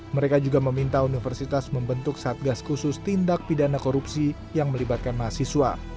mereka juga meminta universitas membentuk satgas khusus tindak pidana korupsi yang melibatkan mahasiswa